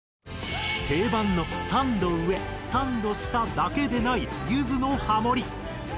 定番の３度上３度下だけでないゆずのハモリ。